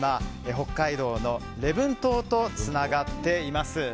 北海道の礼文島とつながっています。